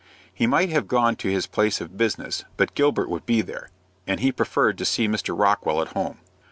He might have gone to his place of business, but Gilbert would be there, and he preferred to see Mr. Rockwell at home.